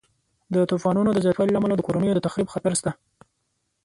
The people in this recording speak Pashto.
د طوفانونو د زیاتوالي له امله د کورنیو د تخریب خطر شته.